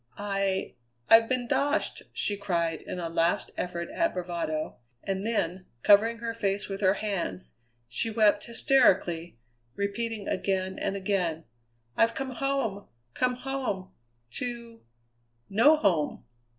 "I I've been doshed!" she cried in a last effort at bravado, and then, covering her face with her hands, she wept hysterically, repeating again and again, "I've come home, come home to no home!"